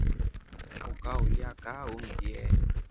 Ukaulya kaa ungie.